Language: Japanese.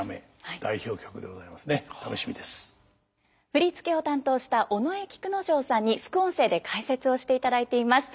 振付を担当した尾上菊之丞さんに副音声で解説をしていただいています。